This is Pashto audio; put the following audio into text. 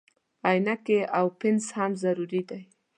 عینکې او پنس هم ضروري دي.